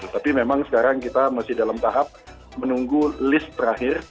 tapi memang sekarang kita masih dalam tahap menunggu list terakhir